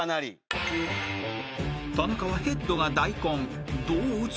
［田中はヘッドが大根どう打つ？］